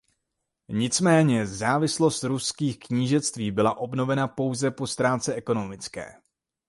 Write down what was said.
Nicméně závislost ruských knížectví byla obnovena pouze po stránce ekonomické.